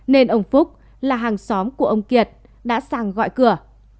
nên ông phúc là hàng xóm của ông kiệt đã sang gọi cửa